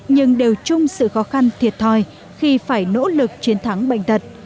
nhưng đều chung sự khó khăn thiệt thòi khi phải nỗ lực chiến thắng bệnh tật